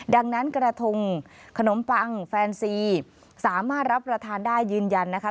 ดังนั้นกระทงขนมปังแฟนซีสามารถรับประทานได้ยืนยันนะคะ